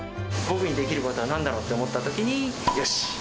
僕にできることはなんだろうって思ったときに、よし！